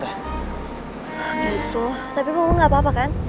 gitu tapi mau ngeliat enggak apa apa kan